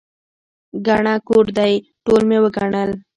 ګڼه کور دی، ټول مې وګڼل.